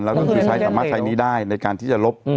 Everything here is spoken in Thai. แล้วก็คือใช้สามารถใช้หนี้ได้ในการที่จะลบ